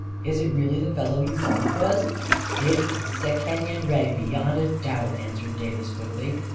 " Is it really the fellow you thought it was? "" It is Sekenyen Re beyond a doubt," answered Davis quickly.